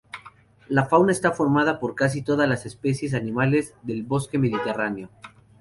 La fauna está formada por casi todas las especies animales del bosque mediterráneo.